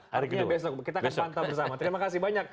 harinya besok kita akan pantau bersama terima kasih banyak